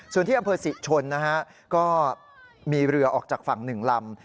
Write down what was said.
ส่วนที่อำเภอศรีชนนะฮะก็มีเรือออกจากฝั่ง๑ลำ